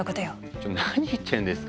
ちょ何言ってんですか。